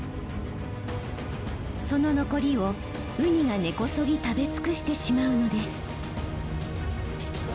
その残りをウニが根こそぎ食べ尽くしてしまうのです。